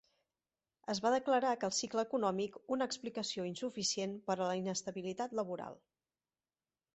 Es va declarar que el cicle econòmic una explicació insuficient per a la inestabilitat laboral.